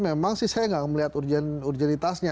memang sih saya nggak melihat urgenitasnya